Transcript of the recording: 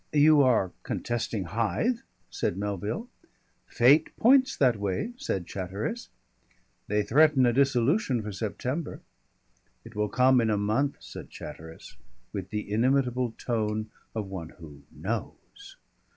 "You are contesting Hythe?" said Melville. "Fate points that way," said Chatteris. "They threaten a dissolution for September." "It will come in a month," said Chatteris, with the inimitable tone of one who knows.